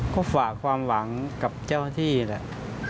ก็ฝากความหวังกับเจ้าหน้าที่แหละ